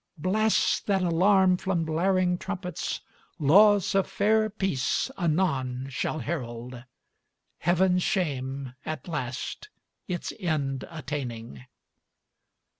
Blasts that alarm from blaring trumpets Laws of fair Peace anon shall herald: Heaven's shame, at last, its end attaining.